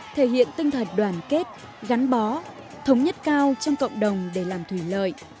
thể hiện tinh thần đoàn kết gắn bó thống nhất cao trong cộng đồng để làm thủy lợi